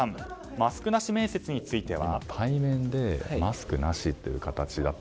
マスクなし面接については。